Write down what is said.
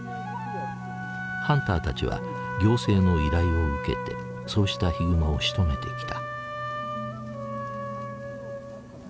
ハンターたちは行政の依頼を受けてそうしたヒグマをしとめてきた。